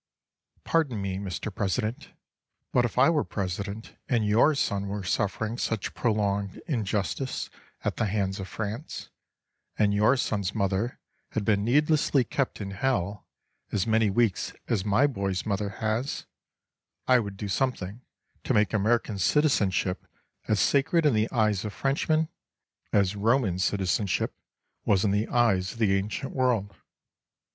Pardon me, Mr. President, but if I were President and your son were suffering such prolonged injustice at the hands of France; and your son's mother had been needlessly kept in Hell as many weeks as my boy's mother has—I would do something to make American citizenship as sacred in the eyes of Frenchmen as Roman citizenship was in the eyes of the ancient world.